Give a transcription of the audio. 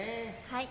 はい。